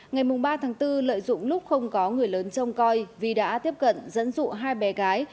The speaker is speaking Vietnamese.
ngày ba bốn lợi dụng lúc không có người lớn trông coi vi đã tiếp cận dẫn dụ hai bé gái